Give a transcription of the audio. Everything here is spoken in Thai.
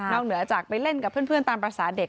เหนือจากไปเล่นกับเพื่อนตามภาษาเด็ก